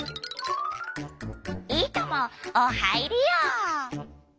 「いいともおはいりよ」。